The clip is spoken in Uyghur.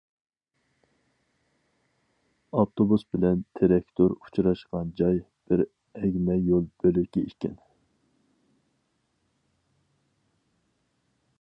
ئاپتوبۇس بىلەن تېرەكتۇر ئۇچراشقان جاي بىر ئەگمە يول بۆلىكى ئىكەن.